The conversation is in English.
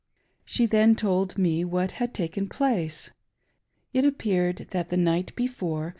She then told me what had taken place. It appeared that the night before.